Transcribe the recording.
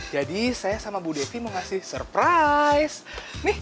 jadi saya sama bu devi mau ngasih surprise